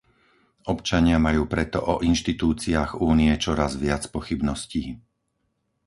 Občania majú preto o inštitúciách Únie čoraz viac pochybností.